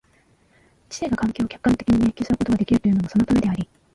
知性が環境を客観的に認識することができるというのもそのためであり、